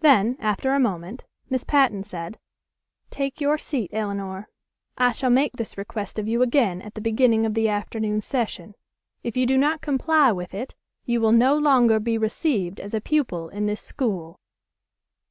Then after a moment Miss Patten said, "Take your seat, Elinor. I shall make this request of you again at the beginning of the afternoon session. If you do not comply with it you will no longer be received as a pupil in this school."